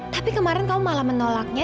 tapi kemarin kamu malah menolaknya